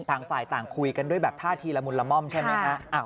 ต่างฝ่ายต่างคุยกันด้วยแบบท่าทีละมุนละม่อมใช่ไหมฮะ